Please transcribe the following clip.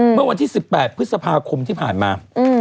เมื่อวันที่๑๘พฤษภาคมที่ผ่านมา